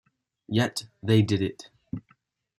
Yet, they did it.